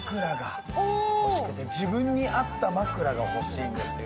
自分に合った枕が欲しいんですよ。